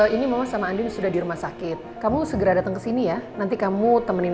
ini mama sama andin sudah di rumah sakit kamu segera datang ke sini ya nanti kamu temenin